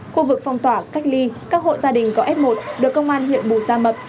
khu vực phong tỏa cách ly các hộ gia đình có f một được công an huyện bù gia mập